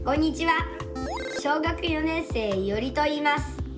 小学４年生いおりといいます。